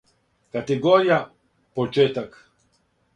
Категорија:Почетак